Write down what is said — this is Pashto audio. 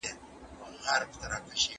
افغان استادان بهر ته د سفر ازادي نه لري.